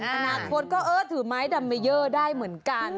อนาคตก็เออถือไม้ดัมเมเยอร์ได้เหมือนกัน